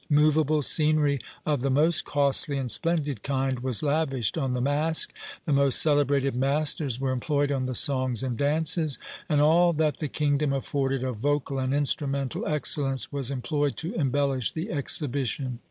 Moveable scenery of the most costly and splendid kind was lavished on the Masque; the most celebrated masters were employed on the songs and dances; and all that the kingdom afforded of vocal and instrumental excellence was employed to embellish the exhibition.